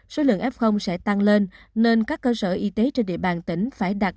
số lượng f sẽ tăng lên nên các cơ sở y tế trên địa bàn tỉnh phải đặt